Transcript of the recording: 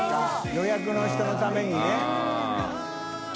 予約の人のためにね。